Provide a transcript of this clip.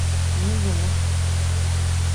— Ни йомош?